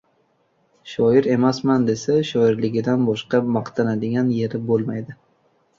Shoir emasman desa, shoirligidan boshqa maqtanadigan yeri bo‘lmadi.